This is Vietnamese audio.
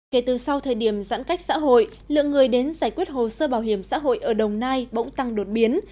kể từ sau thời điểm giãn cách xã hội lượng người đến giải quyết hồ sơ bảo hiểm xã hội ở đồng nai bỗng tăng đột biến